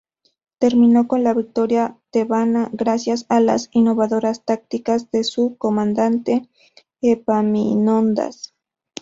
Terminó con la victoria tebana gracias a las innovadoras tácticas de su comandante, Epaminondas.